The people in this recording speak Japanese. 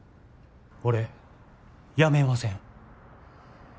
俺辞めません。